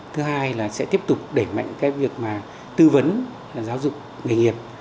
thứ hai là sẽ tiếp tục đẩy mạnh cái việc mà tư vấn giáo dục nghề nghiệp